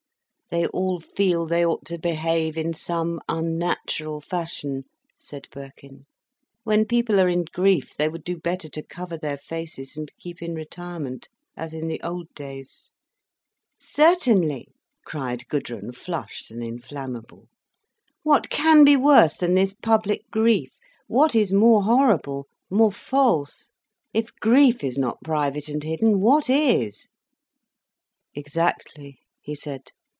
"They all feel they ought to behave in some unnatural fashion," said Birkin. "When people are in grief, they would do better to cover their faces and keep in retirement, as in the old days." "Certainly!" cried Gudrun, flushed and inflammable. "What can be worse than this public grief—what is more horrible, more false! If grief is not private, and hidden, what is?" "Exactly," he said.